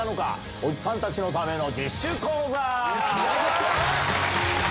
おじさんたちのためのＤＩＳＨ／／講座。